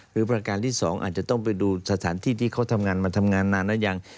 ประการที่๒อาจจะต้องไปดูสถานที่ที่เขาทำงานมาทำงานนานแล้วยัง